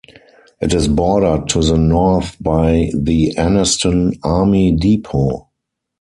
It is bordered to the north by the Anniston Army Depot.